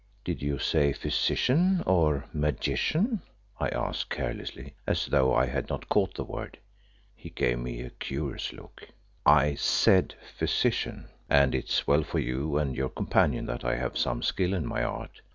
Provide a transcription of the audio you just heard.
"Did you say physician or magician?" I asked carelessly, as though I had not caught the word. He gave me a curious look. "I said physician, and it is well for you and your companion that I have some skill in my art.